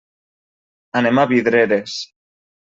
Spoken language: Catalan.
Anem a Vidreres.